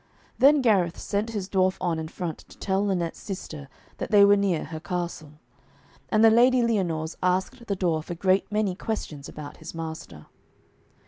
Then Gareth sent his dwarf on in front to tell Lynette's sister that they were near her castle. And the Lady Lyonors asked the dwarf a great many questions about his master.